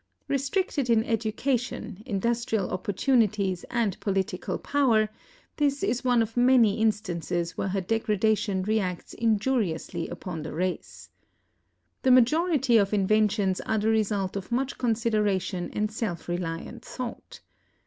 Restricted in education, industrial opportu nities, and political power, this is one of many instances where her degradation reacts injuriously upon the race. The majority of inventions are the result of much consideration and self reliant thought.